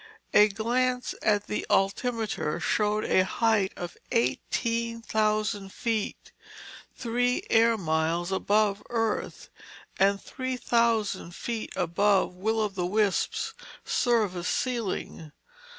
A glance at the altimeter showed a height of eighteen thousand feet—three air miles above earth—and three thousand feet above Will o' the Wisp's service ceiling.